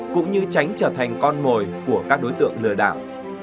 cũng như tránh trở thành con mồi của các đối tượng lừa đảo